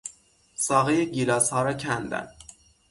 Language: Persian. ساقهی گیلاسها را کندن